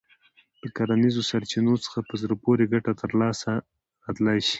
له کرنیزو سرچينو څخه په زړه پورې ګټه لاسته راتلای شي.